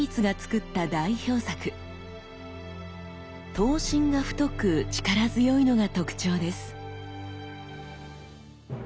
刀身が太く力強いのが特徴です。